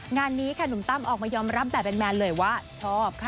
งานนี้ค่ะหนุ่มตั้มออกมายอมรับแบบแมนเลยว่าชอบค่ะ